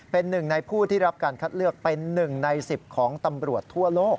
เป็นหนึ่งในผู้ที่รับการคัดเลือกเป็น๑ใน๑๐ของตำรวจทั่วโลก